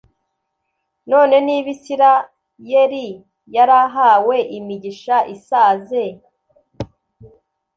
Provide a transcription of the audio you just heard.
None niba Isiraeli yarahawe imigisha isaze,